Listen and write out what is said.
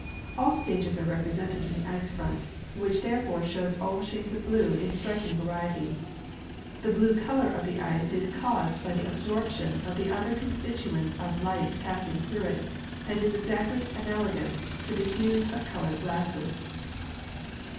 All stages are represented in the ice front, which therefore shows all shades of blue in striking variety. The blue color of the ice is caused by the absorption of the other constituents of the light passing through it, and is exactl}^ analogous to the hues of colored glasses.